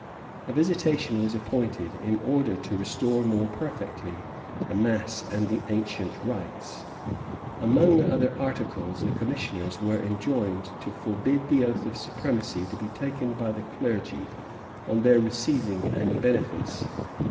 A visitation was appointed, in order to restore more perfectly the mass and the ancient rites. Among other articles, the commissioners were enjoined to forbid the oath of supremacy to be taken by the clergy on their receiving any benefice.